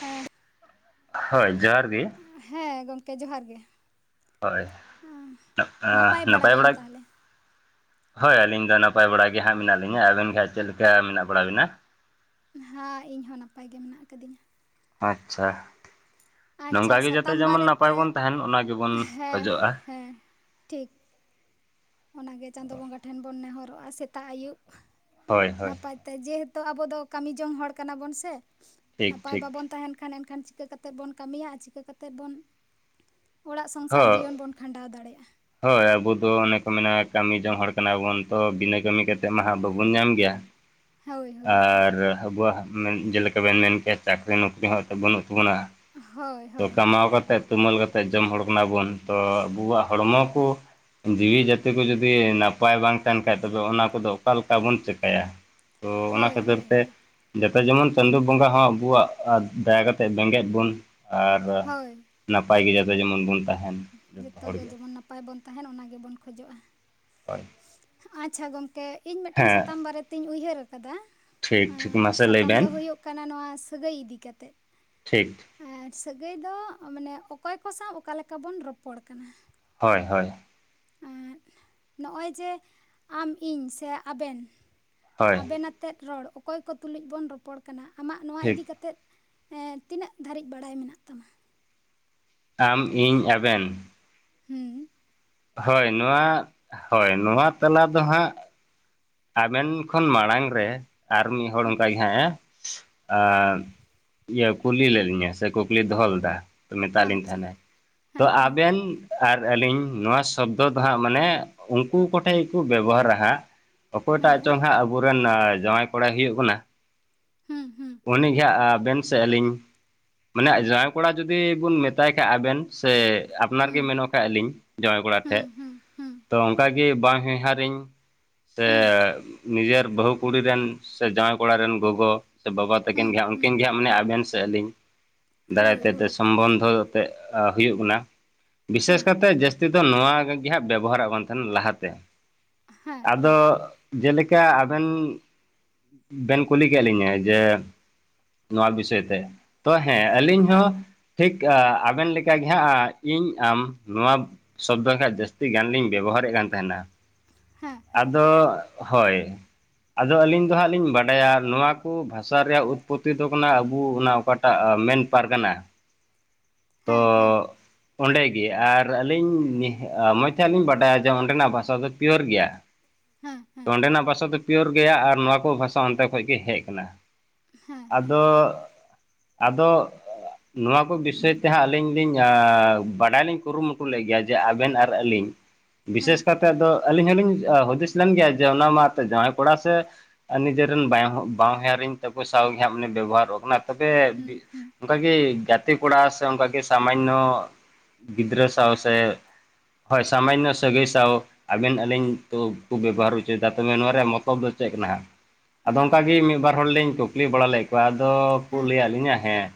ᱦᱮᱸ ᱦᱳᱭ ᱡᱚᱦᱟᱨ ᱜᱮ ᱦᱮᱸ ᱜᱚᱝᱠᱮ ᱡᱚᱦᱟᱨ ᱜᱮ ᱦᱳᱭ ᱱᱟᱯᱼᱟ ᱱᱟᱯᱟᱭ ᱵᱟᱲᱟ ᱦᱳᱭ ᱟᱹᱞᱤᱧ ᱫᱚ ᱱᱟᱯᱟᱭ ᱵᱟᱲᱟ ᱜᱮ ᱦᱟᱸᱜ ᱢᱮᱱᱟᱜ ᱞᱤᱧᱟ, ᱟᱵᱮᱱ ᱜᱮ ᱦᱟᱸᱜ ᱪᱮᱫ ᱞᱮᱠᱟ ᱢᱮᱱᱟᱜ ᱵᱟᱲᱟ ᱵᱤᱱᱟ? ᱦᱮᱸ ᱤᱧ ᱦᱚᱸ ᱱᱟᱯᱟᱭ ᱜᱮ ᱢᱮᱱᱟᱜ ᱠᱟᱫᱤᱧᱟ᱾ ᱟᱪᱪᱷᱟ ᱟᱪᱪᱷᱟ ᱱᱚᱝᱠᱟ ᱜᱮ ᱡᱟᱛᱮ ᱥᱟᱛᱟᱢ ᱡᱮᱢᱚᱱ ᱱᱟᱯᱟᱭ ᱵᱟᱨᱮᱛᱮ ᱵᱚᱱ ᱛᱟᱦᱮᱸᱱ ᱚᱱᱟ ᱜᱮᱵᱚᱱ ᱦᱮᱸ ᱠᱷᱚᱡᱚᱜᱼᱟ᱾ ᱦᱮᱸ ᱴᱷᱤᱠ ᱚᱱᱟᱜᱮ ᱪᱟᱸᱫᱳ ᱵᱚᱸᱜᱟ ᱴᱷᱮᱱ ᱵᱚᱱ ᱱᱮᱦᱚᱨᱚᱜᱼᱟ ᱥᱮᱛᱟᱜ ᱟᱹᱭᱩᱵ ᱦᱳᱭ ᱦᱳᱭ ᱱᱟᱯᱟᱭ ᱛᱮ ᱡᱮᱦᱮᱛᱩ ᱟᱵᱚ ᱫᱚ ᱠᱟᱹᱢᱤ ᱡᱚᱝ ᱦᱚᱲ ᱠᱟᱱᱟ ᱵᱚᱱ ᱥᱮ, ᱴᱷᱤᱠ ᱱᱟᱯᱟᱭ ᱴᱷᱤᱠ ᱵᱟᱵᱚᱱ ᱛᱟᱦᱮᱸᱱ ᱠᱷᱟᱱ ᱮᱱᱠᱷᱟᱱ ᱪᱤᱠᱟᱹ ᱠᱟᱛ ᱠᱟᱛᱮ ᱛᱮ ᱵᱚᱱ ᱠᱟᱹᱢᱤᱭᱟ ᱟ ᱪᱤᱠᱟᱹ ᱠᱟᱛᱮᱜ ᱵᱚᱱ ᱚᱲᱟᱜ ᱥᱚᱝᱥᱟᱨ ᱦᱳᱭ ᱡᱤᱭᱚᱱ ᱵᱚᱱ ᱠᱷᱟᱸᱰᱟᱣ ᱫᱟᱲᱮᱭᱟᱜᱼᱟ? ᱦᱳᱭ ᱟᱵᱩ ᱫᱚ ᱚᱱᱮ ᱠᱚ ᱢᱮᱱᱟ ᱠᱟᱹᱢᱤ ᱡᱚᱝ ᱦᱚᱲ ᱠᱟᱱᱟᱵᱚᱱ ᱛᱚ ᱵᱤᱱᱟᱹ ᱠᱟᱹᱢᱤ ᱠᱟᱛᱮᱜ ᱢᱟ ᱦᱟᱸᱜ ᱵᱟᱵᱚᱱ ᱧᱟᱢ ᱜᱮᱭᱟ᱾ ᱦᱳᱭ ᱦᱳᱭ ᱟᱨ ᱟᱵᱚᱣᱟᱜ ᱢᱮᱱ ᱡᱮᱞᱮᱠᱟ ᱵᱮᱱ ᱢᱮᱱ ᱠᱮᱭᱟ ᱪᱟᱹᱠᱨᱤ ᱱᱚᱠᱨᱤ ᱦᱚᱸ ᱮᱛᱮᱜ ᱵᱟᱹᱱᱩᱜ ᱛᱟᱵᱚᱱᱟ ᱦᱳᱭ ᱛᱚ ᱦᱳᱭ ᱦᱳᱭ ᱠᱟᱢᱟᱣ ᱠᱟᱛᱮᱫ ᱛᱩᱢᱟᱹᱞ ᱠᱟᱛᱮᱜ ᱡᱚᱢ ᱦᱚᱲ ᱠᱟᱱᱟ ᱵᱚᱱ ᱛᱚ ᱟᱵᱚᱣᱟᱜ ᱦᱚᱲᱢᱚ ᱠᱚ ᱡᱤᱣᱤ ᱡᱟᱹᱛᱤ ᱠᱚ ᱡᱩᱫᱤ ᱱᱟᱯᱟᱭ ᱵᱟᱝ ᱛᱟᱦᱮᱱ ᱠᱷᱟᱡ ᱛᱚᱵᱮ ᱚᱱᱟ ᱠᱚᱫᱚ ᱚᱠᱟᱞᱮᱠᱟ ᱵᱚᱱ ᱪᱮᱠᱟᱭᱟ? ᱛᱚ ᱚᱱᱟ ᱦᱳᱭ ᱠᱷᱟᱹᱛᱤᱨ ᱦᱳᱭ ᱛᱮ ᱦᱳᱭ ᱡᱟᱛᱮ ᱡᱮᱢᱚᱱ ᱪᱟᱸᱫᱳ ᱵᱚᱸᱜᱟ ᱦᱚᱸ ᱟᱵᱚᱣᱟᱜ ᱫᱟᱭᱟ ᱠᱟᱛᱮᱜ ᱵᱮᱸᱜᱮᱫ ᱵᱚᱱ ᱟᱨ ᱦᱳᱭ ᱱᱟᱯᱟᱭ ᱜᱮ ᱡᱟᱛᱮ ᱡᱮᱢᱚᱱ ᱵᱚᱱ ᱛᱟᱦᱮᱱ ᱡᱚᱛᱚ ᱜᱮ ᱦᱚᱲᱜᱮ ᱡᱮᱢᱚᱱ ᱱᱟᱯᱟᱭ ᱵᱚᱱ ᱛᱟᱦᱮᱱ ᱚᱱᱟ ᱜᱮᱵᱚᱱ ᱠᱷᱚᱡᱚᱜᱼᱟ᱾ ᱦᱚᱭ ᱟᱪᱪᱷᱟ ᱜᱚᱢᱠᱮ ᱤᱧ ᱢᱤᱫᱴᱟᱱ ᱦᱮᱸ ᱥᱟᱛᱟᱢ ᱵᱟᱨᱮ ᱛᱮᱧ ᱩᱭᱦᱟᱹᱨ ᱟᱠᱟᱫᱟ ᱴᱷᱤᱠ ᱟᱸ ᱴᱷᱤᱠ ᱢᱟᱥᱮ ᱞᱟᱹᱭ ᱥᱟᱛᱟᱢ ᱫᱚ ᱵᱮᱱ ᱦᱩᱭᱩᱜ ᱠᱟᱱᱟ ᱱᱚᱣᱟ ᱥᱟᱹᱜᱟᱹᱭ ᱤᱫᱤ ᱠᱟᱛᱮᱜ ᱴᱷᱤᱠ ᱟᱨ ᱥᱟᱹᱜᱟᱹᱭ ᱫᱚ ᱢᱟᱱᱮ ᱚᱠᱚᱭ ᱠᱚ ᱥᱟᱶ ᱚᱠᱟᱞᱮᱠᱟ ᱵᱚᱱ ᱨᱚᱯᱚᱲ ᱠᱟᱱᱟ? ᱦᱚᱭ ᱦᱚᱭ ᱱᱚᱜᱼᱚᱭ ᱡᱮ ᱟᱢ ᱤᱧ ᱥᱮ ᱟᱵᱮᱱ ᱦᱳᱭ ᱟᱵᱮᱱ ᱟᱛᱮᱫ ᱨᱚᱲ ᱚᱠᱚᱭ ᱠᱚ ᱛᱩᱞᱩᱡ ᱵᱚᱱ ᱨᱚᱯᱚᱲ ᱠᱟᱱᱟ ᱟᱢᱟᱜ ᱱᱚᱣᱟ ᱴᱷᱤᱠ ᱤᱫᱤ ᱠᱟᱛᱮᱫ ᱦᱮᱸᱛᱤᱱᱟᱹᱜ ᱫᱷᱟᱹᱨᱤᱡ ᱵᱟᱲᱟᱭ ᱢᱮᱱᱟᱜ ᱛᱟᱢᱟ? ᱟᱢ ᱤᱧ ᱟᱵᱮᱱ ᱦᱩᱸ ᱦᱳᱭ ᱱᱚᱣᱟ ᱦᱳᱭ ᱱᱚᱣᱟ ᱛᱟᱞᱟ ᱫᱚ ᱦᱟᱸᱜ ᱟᱵᱮᱱ ᱠᱷᱚᱱ ᱢᱟᱲᱟᱝ ᱨᱮ ᱟᱨ ᱢᱤᱫ ᱦᱚᱲ ᱚᱱᱠᱟ ᱜᱮ ᱦᱟᱸᱜ ᱮ ᱟ ᱤᱭᱟᱹ ᱠᱩᱞᱤ ᱞᱮᱫ ᱞᱤᱧᱟᱹ ᱥᱮ ᱠᱩᱠᱞᱤ ᱫᱚᱦᱚ ᱞᱮᱫᱟ ᱢᱮᱛᱟᱜ ᱞᱤᱧ ᱟᱪᱪᱷᱟ ᱛᱟᱦᱮᱱᱟᱭ ᱛᱚ ᱦᱮᱸ ᱦᱮᱸ ᱟᱵᱮᱱ ᱟᱨ ᱟᱹᱞᱤᱧ ᱱᱚᱣᱟ ᱥᱚᱵᱫᱚ ᱫᱚ ᱦᱟᱸᱜ ᱢᱟᱱᱮ ᱩᱱᱠᱩ ᱠᱚᱴᱷᱮᱱ ᱜᱮᱠᱩ ᱵᱮᱵᱚᱦᱟᱨᱟ ᱦᱟᱸᱜ ᱚᱠᱚᱭᱴᱟᱜ ᱦᱮᱸ ᱪᱚᱝ ᱦᱟᱸᱜ ᱟᱵᱚᱨᱮᱱ ᱡᱟᱶᱟᱭ ᱠᱚᱲᱟᱭ ᱦᱩᱭᱩᱜ ᱠᱟᱱᱟ ᱦᱩᱸ ᱦᱩᱸ ᱩᱱᱤᱜᱮ ᱦᱟᱸᱜ ᱟᱵᱮᱱ ᱥᱮ ᱟᱹᱞᱤᱧ ᱢᱟᱱᱮ ᱟᱡᱟᱶᱟᱭ ᱠᱚᱲᱟ ᱡᱩᱫᱤ ᱵᱩᱱ ᱢᱮᱛᱟᱭ ᱠᱷᱟᱡ ᱟᱵᱮᱱ ᱥᱮ ᱟᱯᱱᱟᱨ ᱜᱮ ᱦᱩᱸ ᱢᱮᱱᱚᱠ-ᱟᱞᱤᱧ ᱡᱟᱶᱟᱭ ᱠᱚᱲᱟ ᱴᱷᱮᱡ ᱦᱩᱸ ᱦᱩᱸ ᱦᱩᱸ ᱛᱚ ᱚᱱᱠᱟᱜᱤ ᱵᱟ ᱩᱭᱦᱟᱸᱨᱤᱧ ᱥᱮ ᱦᱩᱸ ᱱᱤᱡᱮᱨ ᱵᱟᱹᱦᱩ ᱠᱩᱲᱤ ᱨᱮᱱ ᱥᱮ ᱡᱟᱶᱟᱭ ᱠᱚᱲᱟ ᱨᱮᱱ ᱜᱚᱜᱚ ᱥᱮ ᱵᱟᱵᱟ ᱛᱟᱹᱠᱤᱱ ᱦᱩᱸ ᱜᱤ ᱦᱟᱸᱜ ᱦᱩᱸ ᱩᱱᱠᱤᱱ ᱜᱤ ᱦᱟᱸᱜ ᱢᱟᱱᱮ ᱟᱵᱮᱱ ᱥᱮ ᱟᱹᱞᱤᱧ ᱦᱳᱭ ᱫᱟᱭᱟᱠᱮ ᱛᱮ ᱦᱳᱭ ᱥᱚᱢᱵᱚᱱᱫᱷᱚ ᱛᱮ ᱦᱩᱭᱩᱜ ᱵᱚᱱᱟ ᱵᱤᱥᱮᱥ ᱦᱮᱸ ᱠᱟᱛᱮ ᱡᱟᱹᱥᱛᱤ ᱛᱤᱫᱚ ᱱᱚᱣᱟ ᱜᱤ ᱦᱟᱸᱜ ᱵᱮᱵᱚᱦᱟᱨᱚᱜ ᱠᱟᱱ ᱛᱟᱦᱮᱱᱟ ᱞᱟᱦᱟᱛᱮ ᱦᱮᱸ ᱟᱫᱚ ᱦᱮᱸ ᱡᱮᱞᱮᱠᱟ ᱟᱵᱮᱱ ᱵᱮᱱ ᱠᱩᱞᱤ ᱠᱮᱫ ᱞᱤᱧᱟᱹ ᱡᱮ ᱱᱚᱣᱟ ᱵᱤᱥᱚᱭ ᱛᱮ, ᱛᱚ ᱦᱮᱸ ᱟᱹᱞᱤᱧ ᱦᱚᱸ ᱴᱷᱤᱠ ᱟ ᱟᱵᱮᱱ ᱞᱮᱠᱟ ᱜᱮ ᱦᱟᱸᱜ ᱤᱧ ᱟᱢ ᱱᱚᱣᱟ ᱥᱚᱵᱫ ᱵᱟᱝ ᱠᱟᱷᱡ ᱡᱟᱹᱥᱛᱤ ᱜᱟᱱ ᱞᱤᱧ ᱵᱮᱵᱚᱦᱟᱨᱮᱫ ᱠᱟᱱ ᱛᱟᱦᱮᱱᱟ ᱦᱮᱸ ᱦᱮᱸ ᱟᱫᱚ ᱦᱳᱭ ᱟᱫᱚ ᱟᱹᱞᱤᱧ ᱫᱚ ᱦᱟᱸᱜ ᱞᱤᱧ ᱵᱟᱰᱟᱭᱟ ᱱᱩᱣᱟ ᱠᱩ ᱵᱷᱟᱥᱟ ᱨᱮᱭᱟᱜ ᱩᱛᱯᱚᱛᱛᱤ ᱫᱚ ᱠᱟᱱᱟ ᱟᱵᱩ ᱚᱱᱟ ᱚᱠᱟ ᱟᱜ ᱢᱮᱱ ᱯᱟᱨᱜᱟᱱᱟ, [inaudible] ᱛᱚ ᱚᱸᱰᱮᱜᱮ ᱟᱨ ᱟᱹᱞᱤᱧ ᱢᱚᱡᱽ ᱛᱮᱦᱟᱜ ᱞᱤᱧ ᱵᱟᱰᱟᱭᱟ ᱡᱮ ᱚᱸᱰᱮᱱᱟᱜ ᱵᱷᱟᱥᱟ ᱫᱚ ᱯᱤᱭᱳᱨ ᱜᱮᱭᱟ᱾ ᱦᱮᱸ ᱛᱚ ᱦᱮᱸ ᱚᱸᱰᱮᱱᱟᱜ ᱵᱷᱟᱥᱟ ᱫᱚ ᱯᱤᱭᱳᱨ ᱜᱮᱭᱟ ᱟᱨ ᱱᱚᱣᱟ ᱠᱚ ᱵᱷᱟᱥᱟ ᱚᱱᱛᱮ ᱠᱷᱚᱡ ᱜᱮ ᱦᱮᱡ ᱠᱟᱱᱟ᱾ ᱦᱮᱸ ᱦᱮᱸ ᱟᱫᱚ ᱟᱫᱚ ᱱᱚᱣᱟ ᱠᱩ ᱵᱤᱥᱚᱭ ᱛᱮᱦᱟᱸᱜ ᱟᱹᱞᱤᱧ ᱞᱤᱧ ᱵᱟᱰᱟᱭᱞᱤᱧ ᱠᱩᱨᱩᱢᱩᱴᱩ ᱞᱮᱫ ᱜᱤᱭᱟ ᱡᱮ ᱟᱵᱮᱱ ᱟᱨ ᱟᱹᱞᱤᱧ, ᱦᱮᱸ ᱵᱤᱥᱮᱥ ᱠᱟᱛᱮᱫ ᱟᱫᱚ ᱟᱹᱞᱤᱧ ᱦᱚᱞᱤᱧ ᱦᱩᱫᱤᱥ ᱞᱮᱱ ᱜᱤᱭᱟ ᱡᱮ ᱚᱱᱟ ᱢᱟ ᱛᱮ ᱡᱟᱶᱟᱭ ᱠᱚᱲᱟ ᱥᱮ ᱟᱨ ᱱᱤᱡᱮᱨᱮᱱ ᱵᱟᱦ ᱵᱟᱦᱧᱟᱨᱤᱧ ᱛᱟᱠᱚ ᱥᱟᱶᱜᱮ ᱦᱟᱸᱜ ᱢᱟᱱᱮ ᱵᱮᱵᱚᱦᱟᱨᱚᱜ ᱠᱟᱱᱟ᱾ ᱛᱚᱵᱮ ᱵᱤ ᱦᱩᱸ ᱦᱩᱸ ᱚᱱᱠᱟᱜᱮ ᱜᱟᱛ ᱜᱟᱛᱤ ᱠᱚᱲᱟ ᱥᱮ ᱚᱱᱠᱟ ᱜᱮ ᱥᱟᱢᱟᱧᱱᱚ ᱜᱤᱫᱽᱨᱟᱹ ᱥᱟᱶ ᱥᱮ ᱦᱳᱭ ᱥᱟᱢᱟᱧᱱᱱᱚ ᱥᱟᱹᱜᱟᱹᱭ ᱥᱟᱶ ᱟᱵᱮᱱ ᱟᱹᱞᱤᱧ ᱛᱚ ᱠᱩ ᱵᱮᱵᱚᱦᱟᱨ ᱩᱪᱩᱭ ᱫᱟ ᱛᱚᱵᱮ ᱱᱚᱣᱟ ᱨᱮᱭᱟᱜ ᱢᱚᱛᱞᱚᱵ ᱫᱚ ᱪᱮᱫ ᱠᱟᱱᱟ ᱦᱟᱸᱜ? ᱟᱫᱚ ᱦᱮᱸ ᱚᱱᱠᱟᱜᱤ ᱢᱤᱫ ᱵᱟᱨ ᱦᱚᱲᱞᱤᱧ ᱠᱩᱠᱞᱤ ᱵᱟᱲᱟ ᱞᱮᱫ ᱠᱩᱣᱟ ᱟᱫᱚ ᱠᱩ ᱦᱮᱸ ᱞᱟᱹᱭᱟᱫ ᱞᱤᱧᱟᱹ ᱦᱮᱸ,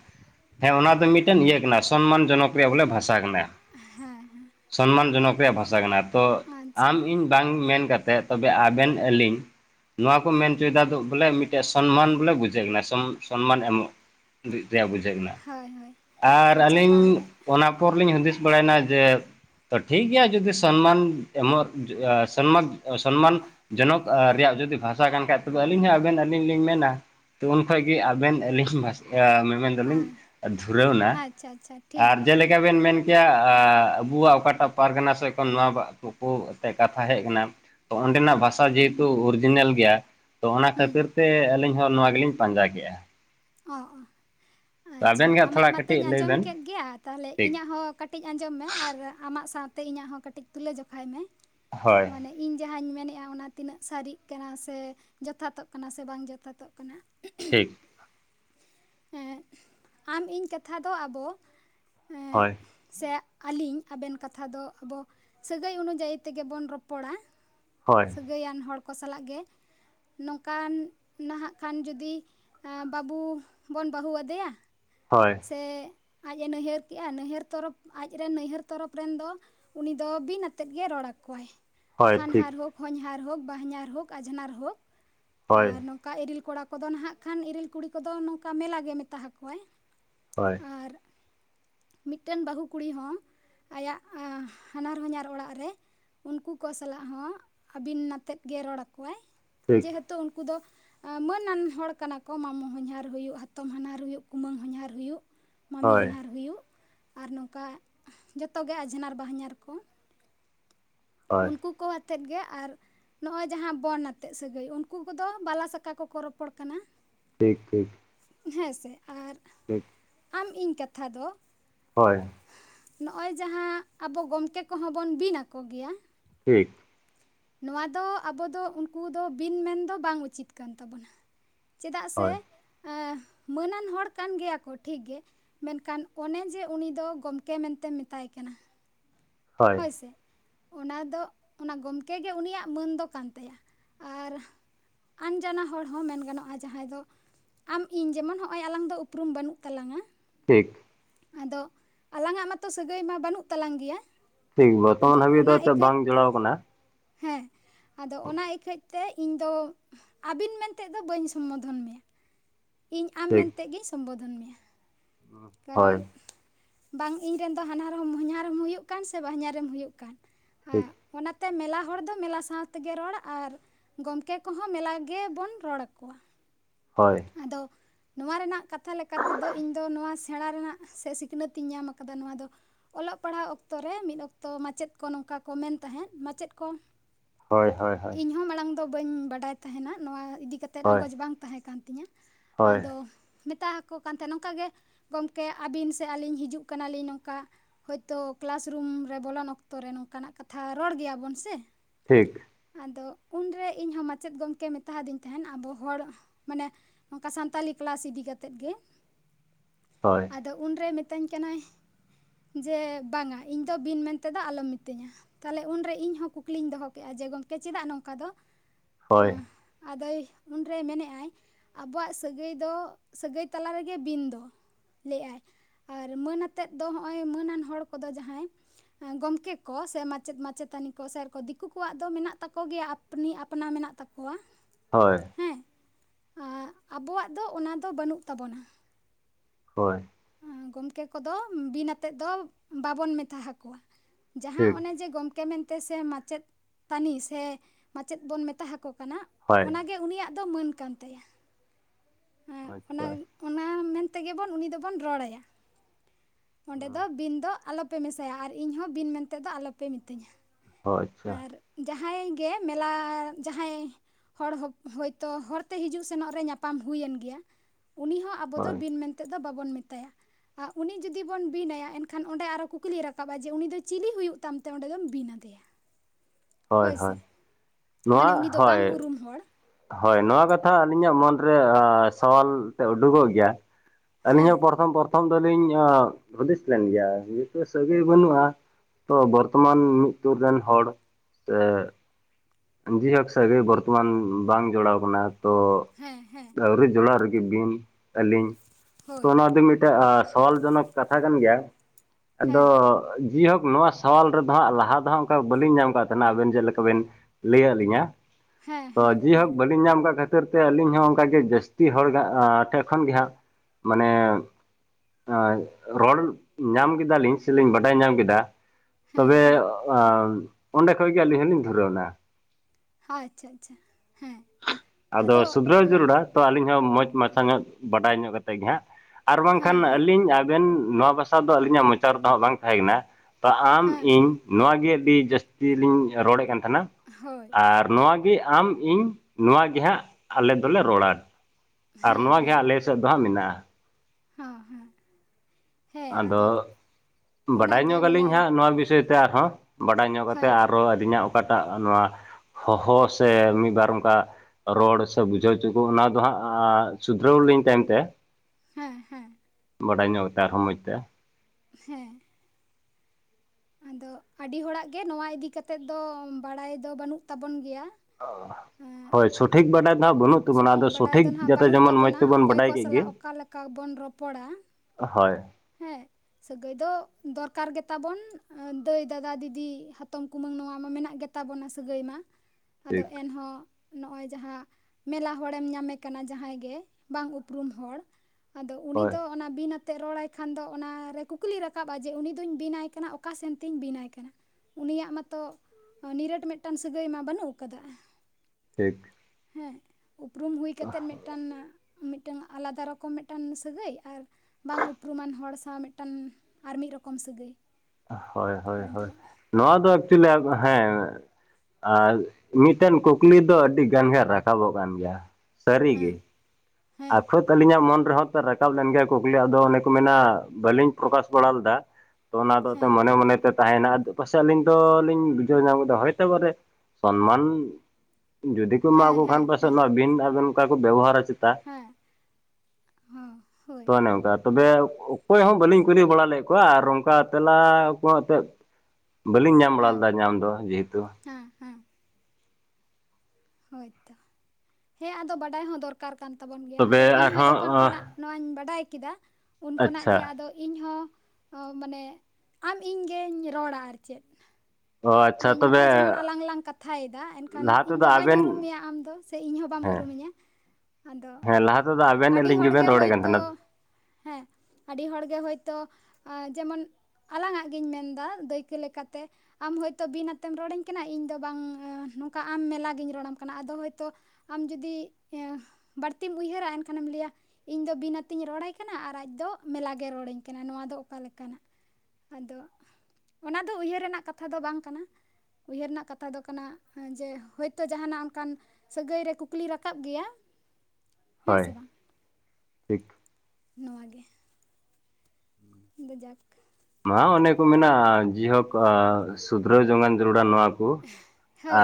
ᱦᱮᱸ ᱚᱱᱟ ᱫᱚ ᱢᱤᱫᱴᱮᱱ ᱤᱭᱟᱹ ᱠᱟᱱᱟ ᱥᱚᱱᱢᱟᱱ ᱡᱚᱱᱚᱠ ᱨᱮᱭᱟᱜ ᱵᱚᱞᱮ ᱵᱷᱟᱥᱟ ᱠᱟᱱᱟ ᱥᱚᱱᱢᱟᱱ ᱡᱚᱱᱚᱠ ᱨᱮᱭᱟᱜ ᱵᱷᱟᱥᱟ ᱠᱟᱱᱟ ᱛᱚ ᱟᱪᱪᱷᱟ ᱟᱢ ᱤᱧ, ᱵᱟᱝ ᱢᱮᱱ ᱠᱟᱛᱮ ᱛᱚᱵᱮ ᱟᱵᱮᱱ ᱟᱹᱞᱤᱧ ᱱᱚᱣᱟ ᱠᱩ ᱢᱮᱱ ᱪᱩᱭᱫᱟ ᱫᱚ ᱵᱚᱞᱮ ᱢᱤ ᱥᱚᱱᱢᱟᱱ ᱵᱚᱞᱮ ᱵᱩᱡᱷᱟᱹᱜ ᱠᱟᱱᱟ ᱥᱚᱢ ᱥᱚᱱᱢᱟᱱ ᱮᱢᱚᱜ ᱫᱤᱡ ᱛᱮᱭᱟᱜ ᱵᱩᱡᱷᱟᱹᱜ ᱠᱟᱱᱟ ᱦᱳᱭ ᱦᱳᱭ ᱟᱨ ᱟᱪᱪᱷᱟ ᱟᱹᱞᱤᱧ ᱛᱟᱦᱚᱞᱮ ᱚᱱᱟ ᱯᱚᱨ ᱞᱤᱧ ᱦᱩᱫᱤᱥ ᱵᱟᱲᱟᱭᱮᱱᱟ ᱡᱮᱻ ᱛᱚ ᱴᱷᱤᱠ ᱜᱮᱭᱟ ᱡᱩᱫᱤ ᱥᱚᱱᱢᱟᱱ ᱮᱢᱚᱜ ᱮ ᱟ ᱥᱚᱱᱢᱟᱫ ᱥᱚᱱᱢᱟᱱ ᱡᱚᱱᱚᱠ ᱟᱨ ᱨᱮᱭᱟᱜ ᱡᱩᱫᱤ ᱵᱷᱟᱥᱟ ᱠᱟᱱ ᱠᱷᱟᱡ ᱛᱚᱵᱮ ᱟᱹᱞᱤᱧ ᱦᱚᱸ ᱟᱵᱮᱱ ᱟᱹᱞᱤᱧ ᱞᱤᱧ ᱢᱮᱱᱟ ᱛᱚ ᱩᱱᱠᱚᱷᱡ ᱜᱮ ᱟᱵᱮᱱ ᱟᱹᱞᱤᱧ ᱵᱷᱟᱥᱟ ᱢᱮᱱ ᱫᱟᱞᱤᱧ ᱟᱨ ᱫᱷᱩᱨᱟᱹᱣᱱᱟ ᱟᱪᱪᱷᱟ ᱟᱪᱪᱷᱟ ᱴᱷᱤᱠ ᱟᱨ ᱜᱮᱭᱟ ᱡᱮᱞᱮᱠ ᱪᱮᱠᱟ ᱵᱮᱱ ᱢᱮᱱ ᱠᱮᱭᱟ ᱟᱻ ᱟᱵᱩᱣᱟᱜ ᱚᱠᱟᱴᱟᱜ ᱯᱟᱨᱜᱟᱱᱟ ᱥᱮ ᱮᱠᱚᱷᱱ ᱱᱚᱣᱟ ᱵᱟ ᱠᱩᱠᱩ ᱛᱮ ᱠᱟᱛᱷᱟ ᱦᱮᱡ ᱠᱟᱱᱟ ᱛᱚ ᱚᱸᱰᱮᱱᱟᱜ ᱵᱷᱟᱥᱟ ᱡᱮᱦᱮᱛᱩ ᱚᱨᱤᱡᱤᱱᱟᱞ ᱜᱮᱭᱟ ᱛᱚ ᱚᱱᱟ ᱦᱩᱸ ᱠᱷᱟᱹᱛᱤᱨ ᱛᱮ ᱟᱹᱞᱤᱧ ᱦᱚᱸ ᱱᱚᱣᱟ ᱜᱮᱞᱤᱧ ᱯᱟᱸᱡᱟ ᱠᱮᱜ-ᱟ ᱚ ᱚ ᱟᱪᱷᱟ ᱟᱵᱮᱱ ᱜᱮ ᱟᱢᱟᱜ ᱛᱷᱚᱲᱟ ᱠᱟᱹᱴᱤᱡ ᱢᱟᱛᱚᱧ ᱞᱟᱹᱭ ᱟᱸᱡᱚᱢ ᱵᱮᱱ ᱠᱮᱫ ᱜᱮᱭᱟ ᱛᱟᱦᱞᱮ ᱴᱷᱤᱠ ᱤᱧᱟᱹᱜ ᱦᱚᱸ ᱠᱟᱹᱴᱤᱡ ᱟᱸᱡᱚᱢ ᱢᱮ ᱟᱨ ᱟᱢᱟᱜ ᱥᱟᱶᱛᱮ ᱤᱧᱟᱹᱜ ᱦᱚᱸ ᱠᱟᱹᱴᱤᱡ ᱛᱩᱞᱟᱹ ᱡᱚᱠᱷᱟᱭ ᱢᱮ ᱦᱳᱭ ᱢᱟᱱᱮ ᱤᱧ ᱡᱟᱦᱟᱸᱧ ᱢᱮᱱᱮᱫᱼᱟ ᱚᱱᱟ ᱛᱤᱱᱟᱹᱜ ᱥᱟᱹᱨᱤᱜ ᱠᱟᱱᱟ ᱥᱮ ᱡᱚᱛᱷᱟᱛᱚᱜ ᱠᱟᱱᱟ ᱥᱮ ᱵᱟᱝ ᱡᱚᱛᱷᱟᱛᱚᱜ ᱠᱟᱱᱟ᱾ ᱴᱷᱤᱠ ᱟᱢ ᱤᱧ ᱠᱟᱛᱷᱟ ᱫᱚ ᱟᱵᱚ ᱦᱳᱭ ᱥᱮ ᱟᱹᱞᱤᱧ ᱟᱵᱮᱱ ᱠᱟᱛᱷᱟ ᱫᱚ ᱟᱵᱚ ᱥᱟᱹᱜᱟᱹᱭ ᱚᱱᱩᱡᱟᱭᱤ ᱛᱮᱜᱮ ᱵᱚᱱ ᱨᱚᱯᱚᱲᱟ ᱦᱳᱭ ᱥᱟᱹᱜᱟᱹᱭᱟᱱ ᱦᱚᱲ ᱠᱚ ᱠᱚ ᱥᱟᱞᱟᱜ ᱜᱮ ᱱᱚᱝᱠᱟᱱ ᱱᱟᱦᱟᱜ ᱠᱷᱟᱱ ᱡᱩᱫᱤ ᱮᱻ ᱵᱟᱹᱵᱩ ᱵᱚᱱ ᱵᱟᱹᱦᱩ ᱟᱫᱮᱭᱟ ᱦᱳᱭ ᱥᱮᱻ ᱟᱡᱼᱮ ᱱᱟᱹᱦᱟᱹᱨ ᱠᱮᱜᱼᱟ ᱱᱟᱹᱦᱟᱹᱨ ᱛᱚᱨᱚᱯᱷ ᱟᱡ ᱨᱮᱱ ᱱᱟᱹᱦᱟᱹᱨ ᱛᱚᱨᱚᱯᱷ ᱨᱮᱱ ᱫᱚ ᱩᱱᱤ ᱫᱚ ᱵᱤᱱ ᱟᱛᱮᱫ ᱜᱮ ᱨᱚᱲ ᱟᱠᱚᱣᱟᱭ ᱦᱳᱭ ᱴᱷᱤᱠ ᱦᱟᱱᱦᱟᱨ ᱦᱳᱠ ᱦᱚᱧᱦᱟᱨ ᱦᱳᱠ ᱵᱟ ᱦᱚᱧᱦᱟᱨ ᱦᱳᱠ ᱟᱡᱷᱱᱟᱨ ᱦᱳᱠ ᱦᱳᱭ ᱟᱨ ᱚᱠᱟ ᱤᱨᱤᱞ ᱠᱚᱲᱟ ᱠᱚᱫᱚ ᱱᱟᱦᱟᱜ ᱠᱷᱟᱱ ᱤᱨᱤᱞ ᱠᱩᱲᱤ ᱠᱚᱫᱚ ᱱᱚᱝᱠᱟ ᱢᱮᱞᱟ ᱜᱮ ᱢᱮᱛᱟ ᱟᱠᱚᱣᱟᱭ ᱦᱳᱭ ᱟᱨ ᱢᱤᱫᱴᱮᱱ ᱵᱟᱹᱦᱩ ᱠᱩᱲᱤ ᱦᱚᱸ ᱟᱭᱟᱜ ᱟᱸᱻ ᱦᱟᱱᱟᱨ ᱦᱚᱸᱧᱟᱨ ᱚᱲᱟᱜ ᱨᱮ ᱩᱱᱠᱩ ᱠᱚ ᱥᱟᱞᱟᱜ ᱦᱚᱸ ᱟᱹᱵᱤᱱ ᱱᱟᱛᱮᱫ ᱜᱮ ᱨᱚᱲ ᱟᱠᱚᱣᱟᱭ ᱴᱷᱤᱠ ᱡᱮᱦᱮᱛᱩ ᱩᱱᱠᱩ ᱫᱚ ᱢᱟᱹᱱ ᱟᱱ ᱦᱚᱲ ᱠᱟᱱᱟ ᱠᱚ ᱢᱟᱢᱚ ᱦᱚᱧᱦᱟᱨ ᱦᱩᱭᱩᱜ ᱦᱟᱛᱚᱢ ᱦᱚᱧᱦᱟᱨ ᱦᱩᱭᱩᱜ ᱠᱩᱢᱟᱹᱝ ᱦᱚᱧᱦᱟᱨ ᱦᱩᱭᱩᱜ ᱢᱟᱹᱢᱤ ᱦᱳᱭ ᱦᱟᱱᱦᱟᱨ ᱦᱩᱭᱩᱜ ᱟᱨ ᱱᱚᱝᱠᱟ ᱡᱚᱛᱚ ᱜᱮ ᱟᱡᱷᱱᱟᱨ ᱵᱟ ᱦᱚᱧᱦᱟᱨ ᱠᱚ ᱦᱳᱭ ᱩᱱᱠᱩ ᱠᱚ ᱟᱛᱮᱫ ᱜᱮ ᱟᱨ ᱱᱚᱜ ᱚᱭ ᱡᱟᱦᱟᱸ ᱵᱚᱱ ᱟᱛᱮᱜ ᱥᱟᱹᱜᱟᱹᱭ ᱩᱱᱠᱩ ᱠᱚᱫᱚ ᱵᱟᱞᱟ ᱥᱟᱠᱟ ᱠᱚᱠᱚ ᱨᱚᱯᱚᱲ ᱠᱟᱱᱟ ᱴᱷᱤᱠ ᱴᱷᱤᱠ ᱦᱮᱸ ᱥᱮ ᱟᱨ ᱴᱷᱤᱠ ᱟᱢ ᱤᱧ ᱠᱟᱛᱷᱟ ᱫᱚ᱾ ᱦᱳᱭ ᱱᱚᱜᱼᱚᱭ ᱡᱟᱦᱟᱸ ᱟᱵᱚ ᱜᱚᱢᱠᱮ ᱠᱚᱦᱚᱸ ᱵᱚᱱ ᱵᱤᱱ ᱟᱠᱚ ᱜᱮᱭᱟ?. ᱴᱷᱤᱠ ᱱᱚᱣᱟ ᱫᱚ ᱟᱵᱚ ᱫᱚ ᱩᱱᱠᱩ ᱫᱚ ᱵᱤᱱ ᱢᱮᱱᱫᱚ ᱵᱟᱝ ᱩᱪᱤᱛ ᱠᱟᱱ ᱛᱟᱵᱚᱱᱟ ᱪᱮᱫᱟᱜ ᱥᱮ ᱦᱳᱭ ᱢᱟᱹᱱᱟᱱ ᱦᱚᱲ ᱠᱟᱱ ᱜᱮᱭᱟ ᱠᱚ ᱴᱷᱤᱠ ᱜᱮ ᱢᱮᱱᱠᱷᱟᱱ ᱚᱱᱮ ᱡᱮ ᱩᱱᱤ ᱫᱚ ᱜᱚᱢᱠᱮ ᱢᱮᱱᱛᱮᱢ ᱢᱮᱛᱟᱭ ᱠᱟᱱᱟ ᱦᱳᱭ ᱥᱮ ᱚᱱᱟ ᱫᱚ ᱚᱱᱟ ᱜᱚᱢᱠᱮ ᱜᱮ ᱩᱱᱤᱭᱟᱜ ᱢᱟᱹᱱ ᱫᱚ ᱠᱟᱱ ᱛᱟᱭᱟ᱾ ᱟᱨ ᱟᱱᱡᱟᱱᱟ ᱦᱚᱲ ᱦᱚᱸ ᱢᱮᱱ ᱜᱟᱱᱚᱜᱼᱟ ᱡᱟᱦᱟᱸᱭ ᱫᱚ ᱟᱢ ᱤᱧ ᱡᱮᱢᱚᱱ ᱦᱚᱜᱼᱚᱭ ᱟᱞᱟᱝ ᱫᱚ ᱩᱯᱨᱩᱢ ᱵᱟᱹᱱᱩᱜ ᱛᱟᱞᱟᱝᱼᱟ᱾ ᱴᱷᱤᱠ ᱟᱫᱚ ᱟᱞᱟᱝᱟᱜ ᱢᱟᱛᱚ ᱥᱟᱹᱜᱟᱹᱭ ᱢᱟ ᱵᱟᱹᱱᱩᱜ ᱛᱟᱞᱟᱝ ᱜᱮᱭᱟ᱾ ᱴᱷᱤᱠ ᱟᱫᱚ ᱵᱚᱨᱛᱚᱢᱟᱱ ᱦᱟᱹᱵᱤᱡ ᱚᱱᱟ ᱫᱚ ᱤᱠᱷᱟᱹᱡ ᱵᱟᱝ ᱛᱮ ᱡᱚᱲᱟᱣ ᱟᱠᱟᱱᱟ᱾ ᱦᱮᱸ ᱟᱫᱚ ᱚᱱᱟ ᱤᱠᱷᱟᱹᱡ ᱛᱮ ᱤᱧ ᱫᱚ ᱟᱹᱵᱤᱱ ᱢᱮᱱᱛᱮᱡ ᱫᱚ ᱵᱟᱹᱧ ᱥᱚᱢᱵᱳᱫᱷᱚᱱ ᱢᱮᱭᱟ ᱤᱧ ᱟᱢ ᱴᱷᱤᱠ ᱢᱮᱱᱛᱮ ᱜᱮᱧ ᱥᱚᱢᱵᱳᱫᱷᱚᱱ ᱢᱮᱭᱟ᱾ ᱦᱳᱭ ᱠᱟᱨᱚᱱ ᱵᱟᱝ ᱤᱧ ᱨᱮᱱ ᱫᱚ ᱦᱟᱱᱦᱟᱨ ᱦᱚᱸᱧᱦᱟᱨᱮᱢ ᱦᱩᱭᱩᱜ ᱠᱟᱱ ᱥᱮ ᱵᱟ ᱦᱚᱧᱟᱨᱮᱢ ᱦᱩᱭᱩᱜ ᱠᱟᱱ ᱦᱮ ᱴᱷᱤᱠ ᱚᱱᱟ ᱛᱮ ᱢᱮᱞᱟ ᱦᱚᱲ ᱫᱚ ᱢᱮᱞᱟ ᱥᱟᱶᱛᱮ ᱜᱮ ᱨᱚᱲ ᱟᱨ ᱜᱚᱢᱠᱮ ᱠᱚᱦᱚᱸ ᱢᱮᱞᱟ ᱜᱮ ᱵᱚᱱ ᱨᱚᱲ ᱟᱠᱚᱣᱟ ᱦᱚᱭ ᱟᱫᱚ ᱱᱚᱣᱟ ᱨᱮᱱᱟᱜ ᱠᱟᱛᱷᱟ ᱞᱮᱠᱟ ᱛᱮᱫᱚ ᱤᱧ ᱫᱚ ᱱᱚᱣᱟ ᱥᱮᱬᱟ ᱨᱮᱱᱟᱜ ᱥᱮ ᱥᱤᱠᱷᱱᱟᱹᱛ ᱤᱧ ᱧᱟᱢ ᱠᱟᱫᱟ ᱱᱚᱣᱟ ᱫᱚ ᱚᱞᱚᱜ ᱯᱟᱲᱦᱟᱣ ᱚᱠᱛᱚ ᱨᱮ ᱢᱤᱫ ᱚᱠᱛᱚ ᱢᱟᱪᱮᱫ ᱠᱚ ᱱᱚᱝᱠᱟ ᱠᱚ ᱢᱮᱱ ᱛᱟᱦᱮᱸᱫ ᱢᱟᱪᱮᱫ ᱠᱚ ᱦᱳᱭ ᱦᱳᱭ ᱦᱳᱭ ᱤᱧᱦᱚᱸ ᱢᱟᱲᱟᱝ ᱫᱚ ᱵᱟᱹᱧ ᱵᱟᱰᱟᱭ ᱛᱟᱦᱮᱱᱟ ᱱᱚᱣᱟ ᱤᱫᱤ ᱠᱟᱛᱮ ᱦᱳᱭ ᱟᱸᱜᱚᱪ ᱵᱟᱝ ᱛᱟᱦᱮᱸ ᱠᱟᱱ ᱛᱤᱧᱟᱹ ᱦᱳᱭ ᱟᱫᱚ ᱢᱮᱛᱟ ᱦᱟᱠᱚ ᱠᱟᱱ ᱛᱟᱦᱮᱸ ᱱᱚᱝᱠᱟᱜ ᱜᱮ ᱜᱚᱢᱠᱮ ᱟᱹᱵᱤᱱ ᱥᱮ ᱟᱹᱞᱤᱧ ᱦᱤᱡᱩᱜ ᱠᱟᱱᱟᱞᱤᱧ ᱱᱚᱝᱠᱟ ᱦᱳᱭᱛᱳ ᱠᱮᱞᱟᱥᱨᱩᱢ ᱨᱮ ᱵᱚᱞᱚᱱ ᱚᱠᱛᱚ ᱨᱮ ᱱᱚᱝᱠᱟᱱᱟᱜ ᱠᱟᱛᱷᱟ ᱨᱚᱲ ᱜᱮᱭᱟᱵᱚᱱ ᱥᱮ ᱴᱷᱤᱠ ᱟᱫᱚ ᱩᱱᱨᱮ ᱤᱧᱦᱚᱸ ᱢᱟᱪᱮᱫ ᱜᱚᱢᱠᱮ ᱢᱮᱛᱟᱫᱤᱧ ᱛᱟᱦᱮᱱ ᱟᱵᱚ ᱦᱚᱲ ᱢᱟᱱᱮ ᱚᱱᱠᱟ ᱥᱟᱱᱛᱟᱞᱤ ᱠᱮᱞᱟᱥ ᱤᱫᱤ ᱠᱟᱛᱮᱫ ᱜᱮ ᱦᱳᱭ ᱟᱫᱚ ᱩᱱᱨᱮ ᱢᱤᱛᱟᱹᱧ ᱠᱟᱱᱟᱭ ᱡᱮ ᱵᱟᱝᱟ ᱤᱧ ᱫᱚ ᱵᱤᱱ ᱢᱮᱱᱛᱮᱫᱚ ᱟᱞᱚᱢ ᱢᱤᱛᱟᱹᱧᱟ ᱛᱟᱦᱞᱮ ᱩᱱᱨᱮ ᱤᱧᱦᱚᱸ ᱠᱩᱠᱞᱤᱧ ᱫᱚᱦᱚ ᱠᱮᱜ-ᱟ ᱡᱮ ᱜᱚᱢᱠᱮ ᱪᱮᱫᱟᱜ ᱱᱚᱝᱠᱟ ᱫᱚ ᱦᱳᱭ ᱟᱫᱚᱭ ᱩᱱᱨᱮ ᱢᱮᱱᱮᱼᱟᱭ ᱟᱵᱚᱣᱟᱜ ᱥᱟᱹᱜᱟᱹᱭ ᱫᱚ ᱥᱟᱹᱜᱟᱹᱭ ᱛᱟᱞᱟ ᱨᱮᱜᱮ ᱵᱤᱱ ᱫᱚ ᱞᱮᱜ-ᱟᱭ ᱟᱨ ᱢᱟᱹᱱ ᱟᱛᱮᱫ ᱫᱚ ᱱᱚᱜ-ᱚᱭ ᱢᱟᱹᱱᱟᱱ ᱦᱚᱲ ᱠᱚᱫᱚ ᱡᱟᱦᱟᱸᱭ ᱜᱚᱢᱠᱮ ᱠᱚ ᱥᱮ ᱢᱟᱪᱮᱫ ᱢᱟᱪᱮᱛᱟᱱᱤ ᱠᱚ ᱥᱮ ᱫᱤᱠᱩ ᱠᱚᱣᱟᱜ ᱫᱚ ᱢᱮᱱᱟᱜ ᱛᱟᱠᱚ ᱜᱮᱭᱟ ᱟᱯᱱᱤ ᱟᱯᱱᱟ ᱢᱮᱱᱟᱜ ᱛᱟᱠᱚᱣᱟ ᱦᱳᱭ ᱦᱮᱸ ᱟᱵᱚᱣᱟᱜ ᱫᱚ ᱚᱱᱟ ᱫᱚ ᱵᱟᱹᱱᱩᱜ ᱛᱟᱵᱚᱱᱟ ᱦᱳᱭ ᱜᱚᱢᱠᱮ ᱠᱚᱫᱚ ᱵᱤᱱ ᱟᱛᱮᱫ ᱫᱚ ᱵᱟᱵᱚᱱ ᱢᱮᱛᱟ ᱟᱠᱚᱣᱟ ᱡᱟᱦᱟᱸ ᱴᱷᱤᱠ ᱚᱱᱮ ᱡᱮ ᱜᱚᱢᱠᱮ ᱢᱮᱱᱛᱮ ᱥᱮ ᱢᱟᱪᱮᱛ ᱛᱟᱱᱤ ᱥᱮ ᱢᱟᱪᱮᱛ ᱵᱚᱱ ᱢᱮᱛᱟ ᱦᱟᱠᱚ ᱠᱟᱱᱟ ᱦᱳᱭ ᱚᱱᱟ ᱜᱮ ᱩᱱᱤᱭᱟᱜ ᱫᱚ ᱢᱟᱹᱱ ᱠᱟᱱ ᱛᱟᱭᱟ ᱚᱱᱟ ᱟᱪᱪᱷᱟ ᱚᱱᱟ ᱢᱮᱱ ᱛᱮᱜᱮ ᱵᱚᱱ ᱩᱱᱤ ᱫᱚᱵᱚᱱ ᱵᱚᱱ ᱨᱚᱲ ᱮᱭᱟ ᱚᱸᱰᱮ ᱫᱚ ᱵᱤᱱ ᱫᱚ ᱟᱞᱚᱯᱮ ᱢᱮᱥᱟᱭᱟ ᱟᱨ ᱤᱧᱦᱚᱸ ᱵᱤᱱ ᱢᱮᱱᱛᱮᱫ ᱫᱚ ᱟᱞᱚᱯᱮ ᱢᱤᱛᱟᱹᱧᱟ ᱚ ᱟᱪᱷᱟ ᱟᱨ ᱡᱟᱦᱟᱸᱭ ᱜᱮ ᱢᱮᱞᱟ ᱡᱟᱦᱟᱸᱭ ᱦᱚᱲ ᱦᱚᱯ ᱦᱚᱭᱛᱳ ᱦᱚᱨᱛᱮ ᱦᱤᱡᱩᱜ ᱥᱮᱱᱚᱜ ᱨᱮ ᱧᱟᱯᱟᱢ ᱦᱩᱭᱮᱱ ᱜᱮᱭᱟ ᱩᱱᱤ ᱦᱚᱸ ᱟᱵᱚ ᱫᱚ ᱦᱳᱭ ᱵᱤᱱ ᱢᱮᱱᱛᱮᱫ ᱫᱚ ᱵᱟᱵᱚᱱ ᱢᱮᱛᱟᱭᱟ ᱟ ᱩᱱᱤ ᱡᱩᱫᱤ ᱵᱚᱱ ᱵᱤᱱ ᱟᱭᱟ ᱮᱱᱠᱷᱟᱱ ᱚᱸᱰᱮ ᱟᱨᱚ ᱠᱩᱠᱞᱤᱭ ᱨᱟᱠᱟᱵᱟ-ᱟ ᱡᱮ ᱩᱱᱤ ᱫᱚ ᱪᱤᱞᱤ ᱦᱩᱭᱩᱜ ᱛᱟᱢ ᱛᱮ ᱚᱸᱰᱮ ᱫᱚᱢ ᱵᱤ ᱟᱫᱮᱭᱟ᱾ ᱦᱳᱭ ᱥᱮ ᱱᱚᱣᱟ ᱢᱟᱱᱮ ᱩᱱᱤ ᱫᱚ ᱦᱳᱭ ᱵᱟᱝ ᱩᱨᱩᱢ ᱦᱚᱲ ᱦᱳᱭ ᱱᱚᱣᱟ ᱠᱟᱛᱷᱟ ᱟᱹᱞᱤᱧᱟᱜ ᱢᱚᱱᱨᱮ ᱥᱟᱣᱟᱞ ᱛᱮ ᱩᱰᱩᱠᱚᱜ ᱜᱮᱭᱟ ᱟᱹᱞᱤᱧ ᱦᱚᱸ ᱦᱮᱸ ᱯᱚᱨᱚᱛᱷᱚᱢ ᱯᱚᱨᱚᱛᱷᱚᱢ ᱫᱚᱞᱤᱧ ᱦᱩᱫᱤᱥ ᱞᱮᱱ ᱜᱮᱭᱟ ᱡᱮᱦᱮᱛᱩ ᱥᱟᱹᱜᱟᱹᱭ ᱵᱟᱹᱱᱩᱜ-ᱟ ᱛᱚ ᱵᱚᱨᱛᱚᱢᱟᱱ ᱢᱤᱫ ᱥᱩᱨ ᱨᱮᱱ ᱦᱚᱲ ᱥᱮ ᱡᱮᱦᱳᱠ ᱥᱟᱹᱜᱮ ᱵᱚᱨᱛᱚᱢᱟᱱ ᱵᱟᱝ ᱡᱚᱲᱟᱣ ᱠᱟᱱᱟ ᱛᱚ ᱦᱮᱸ ᱦᱮᱸ ᱟᱹᱣᱨᱤ ᱡᱚᱞᱟ ᱨᱮᱜᱮ ᱵᱤᱱ, ᱟᱹᱞᱤᱧ ᱛᱚ ᱦᱳᱭ ᱚᱱᱟ ᱫᱚ ᱢᱤᱴᱟ ᱟᱥ ᱥᱚᱦᱚᱞ ᱡᱚᱱᱚᱠ ᱠᱟᱛᱷᱟ ᱠᱟᱱ ᱜᱮᱭᱟ ᱟᱫᱚ ᱦᱮᱸ ᱡᱤ ᱦᱳᱠ ᱱᱚᱣᱟ ᱥᱟᱣᱟᱞ ᱨᱮᱫᱚ ᱦᱟᱸᱜ ᱞᱟᱦᱟ ᱫᱚ ᱦᱟᱸᱜ ᱚᱱᱠᱟ ᱵᱟᱹᱞᱤᱧ ᱧᱟᱢ ᱟᱠᱟᱫ ᱛᱟᱦᱮᱱᱟ ᱟᱵᱮᱱ ᱪᱮᱫ ᱞᱮᱠᱟ ᱵᱤᱱ ᱞᱟᱹᱭ ᱟᱹᱞᱤᱧᱟ ᱦᱮᱸ ᱦᱮᱸ ᱦᱮᱸ ᱵᱟᱹᱞᱤᱧ ᱧᱟᱢ ᱟᱠᱟᱫ ᱠᱷᱟᱹᱛᱤᱨᱛᱮ ᱟᱹᱞᱤᱧ ᱦᱚᱸ ᱚᱱᱠᱟᱜᱮ ᱡᱟᱹᱥᱛᱤ ᱦᱚᱲᱟᱜ ᱴᱷᱮᱱ ᱠᱷᱚᱱᱜᱮ ᱦᱟᱸᱜ ᱢᱟᱱᱮ ᱦᱚᱭ ᱨᱚᱲ ᱧᱟᱢ ᱠᱮᱫᱟᱞᱤᱧ ᱥᱮᱞᱤᱧ ᱵᱟᱰᱟᱭ ᱧᱟᱢ ᱠᱮᱫᱟ ᱛᱚᱵᱮ ᱚᱸᱰᱮ ᱠᱷᱚᱡ ᱜᱮ ᱟᱹᱞᱤᱧ ᱦᱚᱞᱤᱧ ᱫᱷᱩᱨᱟᱹᱣᱱᱟ ᱟᱪᱪᱷᱟ ᱟᱪᱪᱷᱟ ᱦᱮᱸ ᱟᱫᱚ ᱥᱩᱫᱷᱨᱟᱹᱣ ᱡᱟᱹᱨᱩᱲᱟ ᱛᱚ ᱟᱹᱞᱤᱧ ᱦᱚᱸ ᱢᱚᱡᱽ ᱢᱟᱪᱷᱟ ᱧᱚᱜ ᱵᱟᱰᱟᱭ ᱧᱚᱜ ᱠᱟᱛᱮ ᱜᱮ ᱦᱟᱸᱜ ᱟᱨ ᱵᱟᱝᱠᱷᱟᱱ ᱦᱮᱸ ᱦᱮᱸ ᱟᱹᱞᱤᱧ ᱟᱵᱮᱱ ᱱᱚᱣᱟ ᱵᱷᱟᱥᱟ ᱫᱚ ᱟᱹᱞᱤᱧᱟᱜ ᱢᱚᱪᱟ ᱨᱮ ᱫᱚ ᱦᱟᱸᱜ ᱵᱟᱝ ᱛᱟᱦᱮᱸ ᱠᱟᱱᱟ ᱛᱚ ᱟᱢ, ᱦᱮᱸ ᱤᱧ ᱦᱮᱸ ᱱᱚᱣᱟ ᱜᱮ ᱟᱹᱰᱤ ᱡᱟᱹᱥᱛᱤ ᱞᱤᱧ ᱨᱚᱲᱮᱠᱟᱱ ᱛᱟᱦᱮᱱᱟ ᱦᱳᱭ ᱟᱨ ᱱᱚᱣᱟᱜ ᱜᱮ ᱟᱢ ᱤᱧ ᱱᱚᱣᱟ ᱜᱮ ᱦᱟᱸᱜ ᱟᱞᱮ ᱫᱚᱞᱮ ᱨᱚᱲᱟ ᱟᱨ ᱦᱮᱸ ᱱᱚᱶᱟ ᱜᱮ ᱦᱟᱸᱜ ᱟᱞᱮ ᱥᱮᱫ ᱫᱚ ᱦᱟᱸᱜ ᱢᱮᱱᱟᱜᱼᱟ ᱦᱮ ᱦᱮᱸ ᱟᱫᱚ ᱵᱟᱰᱟᱭ ᱚᱱᱟᱜᱮ ᱧᱚᱜ ᱢᱟᱱᱮ ᱟᱞᱤᱧ ᱦᱟᱸᱜ ᱱᱚᱣᱟ ᱵᱤᱥᱚᱭ ᱛᱮ ᱟᱨ ᱦᱚᱸ ᱵᱟᱰᱟᱭ ᱧᱚᱜ ᱠᱟᱛᱮ ᱦᱮᱸ ᱟᱨ ᱦᱚᱸ ᱟᱹᱫᱤᱧᱟᱜ ᱚᱠᱟᱴᱟᱜ ᱱᱚᱣᱟ ᱦᱚᱦᱚ ᱥᱮ ᱢᱤᱫ ᱵᱟᱨ ᱚᱱᱠᱟ ᱨᱚᱲ ᱥᱮ ᱵᱩᱡᱷᱟᱹᱣ ᱦᱚᱪᱚ ᱠᱚ ᱚᱱᱟ ᱫᱚ ᱦᱟᱸᱜ ᱥᱩᱫᱷᱨᱟᱹᱣ ᱞᱤᱧ ᱛᱟᱭᱚᱢ ᱛᱮ ᱦᱮᱸ ᱦᱮᱸ ᱵᱟᱰᱟᱭ ᱧᱚᱜ ᱠᱟᱛᱮ ᱟᱨ ᱦᱚᱸ ᱢᱚᱡᱽ ᱛᱮ ᱦᱮᱸ ᱟᱫᱚ ᱟᱹᱰᱤ ᱦᱚᱲᱟᱜ ᱜᱮ ᱱᱚᱣᱟ ᱤᱫᱤ ᱠᱟᱛᱮᱫ ᱫᱚ ᱵᱟᱲᱟᱭ ᱫᱚ ᱵᱟᱹᱱᱩᱜ ᱛᱟᱵᱚᱱ ᱜᱮᱭᱟ ᱚ [inaudible] ᱦᱳᱭ ᱥᱚᱴᱷᱤᱠ ᱵᱟᱰᱟᱭ ᱫᱚ ᱦᱟᱸᱜ ᱵᱟᱹᱱᱩᱜ ᱛᱟᱵᱚᱱᱟ ᱟᱫᱚ ᱵᱟᱰᱟᱭ ᱥᱚᱴᱷᱤᱠ ᱫᱚ ᱱᱟᱦᱟᱜ ᱡᱟᱛᱮ ᱵᱟᱹᱱᱩᱜ ᱡᱮᱢᱚᱱ ᱢᱚᱸᱡᱽ ᱛᱟᱵᱚᱱᱟ ᱛᱮᱵᱚᱱ ᱚᱠᱚᱭ ᱵᱟᱰᱟᱭ ᱠᱚ ᱠᱮᱫ ᱜᱮ ᱥᱟᱞᱟᱜ ᱚᱠᱟ ᱞᱮᱠᱟ ᱵᱚᱱ [inaudible] ᱨᱚᱯᱚᱲᱟ ᱦᱳᱭ ᱦᱮᱸ ᱥᱟᱹᱜᱟᱹᱭ ᱫᱚ ᱫᱚᱨᱠᱟᱨ ᱜᱮ ᱛᱟᱵᱚᱱ ᱫᱟᱹᱭ ᱫᱟᱫᱟ ᱫᱤᱫᱤ ᱦᱟᱛᱚᱢ ᱠᱩᱢᱟᱹᱝ ᱱᱚᱶᱟ ᱢᱟ ᱢᱮᱱᱟᱜ ᱜᱮ ᱛᱟᱵᱚᱱᱟ ᱥᱟᱹᱜᱟᱹᱭ ᱢᱟ ᱟᱫᱚ ᱴᱷᱤᱠ ᱮᱱᱦᱚᱸ ᱱᱚᱜᱼᱚᱭ ᱡᱟᱦᱟᱸ ᱢᱮᱞᱟ ᱦᱚᱲᱮᱢ ᱧᱟᱢᱮ ᱠᱟᱱᱟ ᱡᱟᱦᱟᱸᱭ ᱜᱮ ᱵᱟᱝ ᱩᱯᱨᱩᱢ ᱦᱚᱲ ᱟᱫᱚ ᱩᱱᱤ ᱦᱳᱭ ᱫᱚ ᱚᱱᱟ ᱵᱤᱱ ᱟᱛᱮᱫ ᱨᱚᱲᱟᱭ ᱠᱷᱟᱱ ᱫᱚ ᱚᱱᱟᱨᱮ ᱠᱩᱠᱞᱤ ᱨᱟᱠᱟᱵ ᱡᱮ ᱩᱱᱤ ᱫᱚᱧ ᱵᱤᱱᱟᱭ ᱠᱟᱱᱟ ᱚᱠᱟ ᱥᱮᱱ ᱛᱤᱧ ᱵᱤᱱᱟᱭ ᱠᱟᱱᱟ᱾ ᱩᱱᱤᱭᱟᱜ ᱢᱟᱛᱚ ᱱᱤᱨᱟᱹᱴ ᱢᱤᱫ ᱴᱟᱱ ᱥᱟᱹᱜᱟᱹᱭ ᱢᱟ ᱵᱟᱹᱱᱩᱜ ᱠᱟᱫᱟ ᱴᱷᱤᱠ ᱦᱮᱸ ᱩᱯᱨᱩᱢ ᱦᱩᱭ ᱠᱟᱛᱮᱫ ᱢᱤᱫᱴᱟᱱ ᱢᱤᱫ ᱴᱟᱝ ᱟᱞᱟᱫᱟ ᱨᱚᱠᱚᱢ ᱢᱤᱫ ᱴᱟᱝ ᱥᱟᱹᱜᱟᱹᱭ ᱟᱨ ᱵᱟᱝ ᱩᱯᱨᱩᱢᱟᱱ ᱦᱚᱲ ᱥᱟᱶ ᱢᱤᱫ ᱴᱟᱱ ᱟᱨ ᱢᱤᱫ ᱨᱚᱠᱚᱢ ᱥᱟᱹᱜᱟᱹᱭ᱾ ᱦᱳᱭ ᱦᱳᱭ ᱦᱳᱭ ᱟᱫᱚ ᱱᱚᱶᱟ ᱫᱚ ᱮᱠᱪᱩᱭᱮᱞᱤ ᱦᱮᱸ ᱟᱨ ᱢᱤᱫ ᱴᱮᱱ ᱠᱩᱠᱞᱤ ᱫᱚ ᱟᱹᱰᱤ ᱜᱟᱱ ᱜᱮ ᱨᱟᱠᱟᱵ ᱠᱟᱱ ᱜᱮᱭᱟ ᱥᱟᱹᱨᱤ ᱜᱮ ᱦᱮᱸ ᱦᱮᱸ ᱟᱠᱷᱚᱛ ᱟᱹᱞᱤ ᱧᱟᱜ ᱢᱚᱱ ᱨᱮᱦᱚᱸ ᱛᱚ ᱨᱟᱠᱟᱵ ᱞᱮᱱ ᱜᱮᱭᱟ ᱠᱩᱠᱞᱤ ᱟᱫᱚ ᱚᱱᱮ ᱠᱚ ᱢᱮᱱᱟ ᱵᱟᱹᱞᱤᱧ ᱯᱨᱚᱠᱟᱥ ᱵᱟᱲᱟ ᱞᱮᱫᱟ ᱛᱚ ᱚᱱᱟ ᱫᱚ ᱦᱮᱸ ᱢᱚᱱᱮ ᱢᱚᱱᱮ ᱛᱮ ᱛᱟᱦᱮᱱᱟ ᱟᱫᱚ ᱯᱟᱥᱮᱡ ᱟᱹᱞᱤᱧ ᱫᱚᱞᱤᱧ ᱵᱩᱡᱷᱟᱹᱣ ᱧᱟᱢ ᱠᱮᱫᱟ ᱦᱚᱳᱭᱛᱳ ᱵᱟᱨᱮ ᱥᱚᱱᱢᱟᱱ ᱡᱩᱫᱤ ᱠᱚ ᱦᱮᱸ ᱮᱢᱟᱠᱚ ᱠᱷᱟᱱ ᱦᱮᱸ ᱯᱟᱥᱮᱫ ᱦᱮᱸ ᱱᱚᱶᱟ ᱟᱹᱵᱤᱱ ᱟᱵᱮᱱ ᱚᱱᱠᱟ ᱠᱚ ᱵᱮᱵᱚ ᱦᱟᱨᱟ ᱪᱮᱛᱟ ᱦᱮᱸ ᱦᱚᱹ ᱦᱳᱭ ᱛᱚ ᱚᱱᱮ ᱚᱱᱠᱟ ᱛᱚᱵᱮ ᱚᱠᱚᱭ ᱦᱚᱸ ᱵᱟᱹᱞᱤᱧ ᱠᱩᱞᱤ ᱵᱟᱲᱟ ᱞᱮᱫ ᱠᱚᱣᱟ ᱟᱨ ᱚᱱᱠᱟ ᱛᱮᱞᱟ ᱠᱚ ᱮᱱᱛᱮᱫ [inaudible] ᱵᱟᱹᱞᱤᱧ ᱧᱟᱢ ᱵᱟᱲᱟ ᱦᱮᱸ ᱞᱮᱫᱟ ᱧᱟᱢ ᱫᱚ ᱡᱮᱦᱮᱛᱩ ᱦᱮᱸ ᱦᱮᱸ ᱦᱳᱭ ᱛᱚ ᱦᱮᱸ ᱟᱫᱚ ᱵᱟᱰᱟᱭ ᱦᱚᱸ ᱫᱚᱨᱠᱟᱨ ᱠᱟᱱ ᱛᱟᱵᱚᱱ ᱜᱮᱭᱟ ᱛᱚᱵᱮ ᱟᱫᱚ ᱤᱧ ᱦᱚᱸ ᱟᱨᱦᱚᱸ ᱡᱚᱠᱷᱚᱱ ᱠᱷᱚᱱᱟᱜ ᱱᱚᱶᱟᱧ ᱵᱟᱰᱟᱭ ᱠᱮᱫᱟ ᱩᱱ ᱠᱷᱚᱱᱟᱜ ᱟᱪᱪᱷᱟ ᱜᱮ ᱟᱫᱚ ᱤᱧᱦᱚᱸ ᱢᱟᱱᱮ ᱟᱢ ᱤᱧ ᱜᱮᱧ ᱨᱚᱲᱟ ᱟᱨ ᱪᱮᱫ ᱚ ᱟᱪᱪᱷᱟ ᱞᱟᱹᱭᱟᱹᱧ ᱱᱚᱜ ᱛᱚᱵᱮ ᱚᱚᱭ ᱡᱮᱢᱚᱱ ᱟᱞᱟᱝ ᱞᱟᱝ ᱠᱟᱛᱷᱟ ᱭᱮᱫᱟ ᱮᱱᱠᱷᱟᱱ ᱞᱟᱦᱟ ᱤᱧ ᱛᱮᱫᱚ ᱫᱚ ᱵᱟᱹᱧ ᱟᱵᱮᱱ ᱩᱨᱩᱢ ᱢᱮᱭᱟ ᱟᱢ ᱫᱚ ᱥᱮ ᱤᱧ ᱦᱚᱸ ᱵᱟᱢ ᱦᱮᱸ ᱩᱨᱩᱢᱤᱧᱟ ᱟᱫᱚ ᱦᱮᱸ ᱞᱟᱦᱟ ᱛᱮᱫᱚ ᱟᱵᱮᱱ ᱟᱹᱰᱤ ᱟᱹᱞᱤᱧ ᱜᱮᱵᱮᱱ ᱦᱚᱲᱜᱮ ᱨᱚᱲᱮᱫ ᱠᱟᱱ ᱦᱳᱭᱛᱳ ᱛᱟᱦᱮᱱᱟ ᱦᱮᱸ ᱟᱹᱰᱤ ᱦᱚᱲᱜᱮ ᱦᱚᱭᱛᱳ ᱡᱮᱢᱚᱱ ᱟᱞᱟᱝ ᱟᱜ ᱜᱤᱧ ᱢᱮᱱᱫᱟ ᱫᱟᱹᱭᱠᱟᱹ ᱞᱮᱠᱟᱛᱮ ᱟᱢ ᱦᱚᱭᱛᱚ ᱛᱚ ᱵᱤᱱ ᱟᱛᱮᱢ ᱨᱚᱲᱟᱹᱧ ᱠᱟᱱᱟ ᱤᱧᱫᱚ ᱵᱟᱝ ᱱᱚᱝᱠᱟ ᱟᱢ ᱢᱮᱞᱟ ᱜᱤᱧ ᱨᱚᱲᱟᱢ ᱠᱟᱱᱟ ᱟᱫᱚ ᱦᱳᱭᱛᱚ ᱟᱢ ᱡᱩᱫᱤ ᱵᱟᱹᱲᱛᱤᱢ ᱩᱭᱦᱟᱹᱨᱟ ᱮᱱᱠᱷᱟᱱᱮᱢ ᱞᱟᱹᱭᱟ᱾ ᱤᱧᱫᱚ ᱵᱤᱱ ᱟᱛᱤᱧ ᱨᱚᱲᱟᱭ ᱠᱟᱱᱟ ᱟᱨ ᱟᱡ ᱫᱚ ᱢᱮᱞᱟ ᱜᱮ ᱨᱚᱲᱟᱹᱧ ᱠᱟᱱᱟ ᱱᱚᱣᱟ ᱫᱚ ᱚᱠᱟ ᱞᱮᱠᱟ ᱱᱟᱜ ᱟᱫᱚ ᱚᱱᱟ ᱫᱚ ᱩᱭᱦᱟᱹᱨ ᱨᱮᱱᱟᱜ ᱠᱟᱛᱷᱟ ᱫᱚ ᱵᱟᱝ ᱠᱟᱱᱟ ᱩᱭᱦᱟᱹᱨ ᱨᱮᱱᱟᱜ ᱠᱟᱛᱷᱟ ᱫᱚ ᱠᱟᱱᱟ ᱡᱮ ᱦᱚᱭᱛᱳ ᱡᱟᱦᱟ ᱱᱟᱜ ᱚᱱᱠᱟᱱ ᱥᱟᱹᱜᱟᱹᱭ ᱨᱮ ᱠᱩᱠᱞᱤ ᱨᱟᱠᱟᱵ ᱜᱮᱭᱟ ᱦᱮᱸ ᱦᱳᱭ ᱥᱮ ᱵᱟᱝ ᱴᱷᱤᱠ [inaudible] ᱱᱚᱶᱟ ᱜᱮ ᱵᱮᱡᱟᱠ ᱢᱟ ᱚᱱᱮ ᱠᱚ ᱢᱮᱱᱟᱜᱼᱟ ᱡᱤ ᱦᱳᱠ ᱥᱩᱫᱷᱨᱟᱹᱣ ᱡᱚᱝᱟᱱ ᱡᱟᱹᱨᱩᱲᱟ ᱱᱚᱣᱟᱼᱼ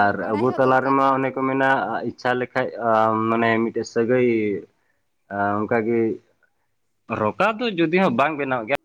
ᱟᱨ ᱟᱵᱳ ᱵᱟᱲᱟᱭ ᱦᱚᱸ ᱛᱟᱞᱟ ᱫᱚᱨᱠᱟᱨ ᱨᱮᱢᱟ ᱠᱟᱱ ᱚᱱᱮ ᱠᱚ ᱛᱟᱵᱚᱱᱟ ᱢᱮᱱᱟ ᱤᱪᱪᱷᱟ ᱞᱮᱠᱷᱟᱡ ᱟ ᱢᱟᱱᱮ ᱢᱤᱫᱴᱮᱡ ᱥᱟᱹᱜᱟᱹᱭ ᱟ ᱚᱱᱠᱟᱜᱮ ᱨᱚᱠᱟ ᱫᱚ ᱡᱩᱫᱤ ᱦᱚᱸ ᱵᱟᱝ ᱵᱮᱱᱟᱣᱜ ᱜᱮᱭᱟ᱾